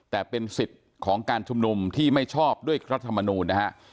แต่เป็นสิทธิ์ของการชุมนุมที่ไม่ชอบด้วยรัฐมนูลนะฮะ